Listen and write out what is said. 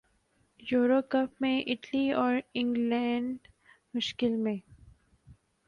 euro cup میں اٹلی اور انگلینڈ مشکل میں